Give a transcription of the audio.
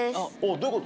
どういうこと？